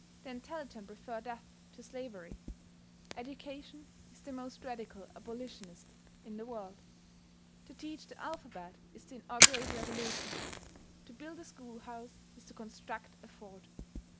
The intelligent prefer death to slavery. Education is the most radical abolitionist in the world. To teach the alphabet is to inaugurate revolution. To build a schoolhouse is to construct a fort.